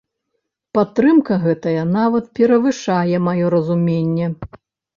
Падтрымка гэтая нават перавышае маё разуменне.